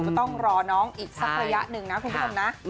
ก็ต้องรอน้องอีกสักระยะหนึ่งนะคุณผู้ชมนะ